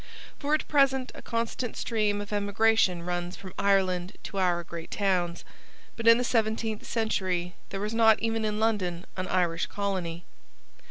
For at present a constant stream of emigration runs from Ireland to our great towns: but in the seventeenth century there was not even in London an Irish colony.